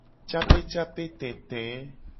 Capecapetete.